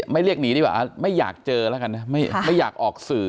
เรียกหนีดีกว่าไม่อยากเจอแล้วกันนะไม่อยากออกสื่อ